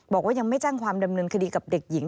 บอกว่ายังไม่แจ้งความดำเนินคดีกับเด็กหญิง